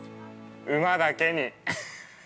馬だけに！